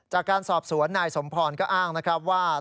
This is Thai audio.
จากการสอบสวนนายสมพรก็อ้างนะครับว่า